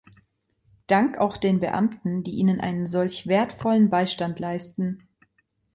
Dank auch den Beamten, die Ihnen einen solch wertvollen Beistand leisten.